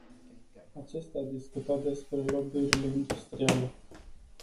Acesta a discutat despre lobby-urile industriale.